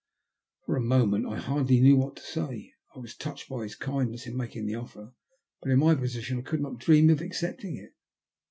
For a moment I hardly knew what to say. I was touched by his kindness in making the offer, but' in my position I could not dream of accepting it.